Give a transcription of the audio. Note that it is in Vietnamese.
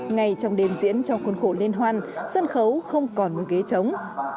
ngay trong đêm diễn trong khuôn khổ liên hoan sân khấu không còn ghế chống